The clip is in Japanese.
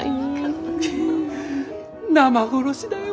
生殺しだよ。